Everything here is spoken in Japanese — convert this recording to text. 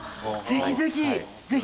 ぜひぜひ！